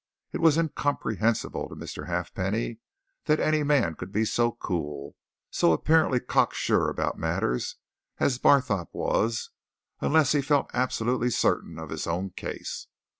It was incomprehensible to Mr. Halfpenny that any man could be so cool, so apparently cocksure about matters as Barthorpe was unless he felt absolutely certain of his own case.